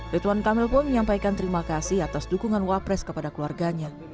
rituan kamil pun menyampaikan terima kasih atas dukungan wapres kepada keluarganya